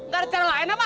gak ada cara lain apa